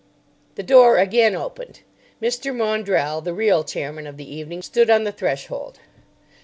The door again opened. Mr. Maundrell, the real chairman of the evening, stood on the threshold.